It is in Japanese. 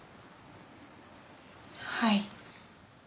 はい。